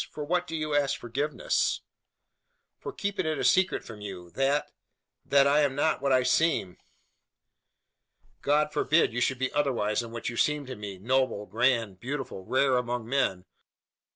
For what do you ask forgiveness?" "For keeping it a secret from you, that that I am not what I seem." "God forbid you should be otherwise than what you seem to me noble, grand, beautiful, rare among men!